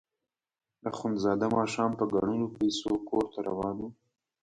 اخندزاده ماښام په ګڼلو پیسو کور ته روان وو.